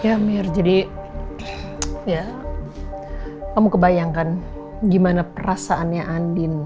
ya mir jadi ya kamu kebayangkan gimana perasaannya andin